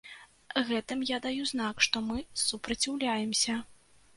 Гэтым я даю знак, што мы супраціўляемся.